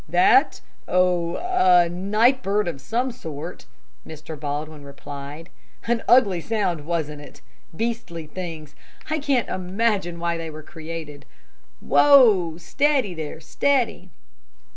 "That oh, a night bird of some sort," Mr. Baldwin replied. "An ugly sound, wasn't it? Beastly things, I can't imagine why they were created. Whoa steady there, steady."